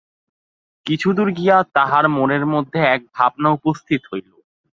কিছুদূর গিয়া তাহার মনের মধ্যে এক ভাবনা উপস্থিত হইল।